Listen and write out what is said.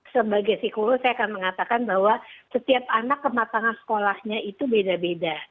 sebagai psikolog saya akan mengatakan bahwa setiap anak kematangan sekolahnya itu beda beda